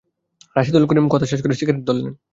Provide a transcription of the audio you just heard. রাশেদুল করিম কথা শেষ করে সিগারেট ধরলেন।